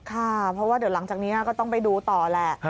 ค่ะเพราะว่าเดี๋ยวหลังจากนี้ก็ต้องไปดูต่อแหละ